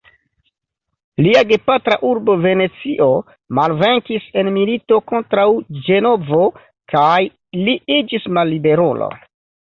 Lia gepatra urbo Venecio malvenkis en milito kontraŭ Ĝenovo kaj li iĝis malliberulo.